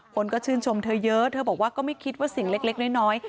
คนก็ชื่นชมเธอเยอะเธอบอกว่าก็ไม่คิดว่าสิ่งเล็กน้อย